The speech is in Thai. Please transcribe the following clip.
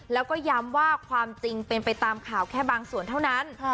แล้วก็ย้ำว่าความจริงเป็นไปตามข่าวแค่บางส่วนเท่านั้น